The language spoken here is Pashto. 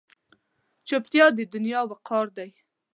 چوپتیا، د دنیا وقار دی.